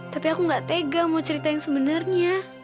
tapi aku gak tega mau cerita yang sebenarnya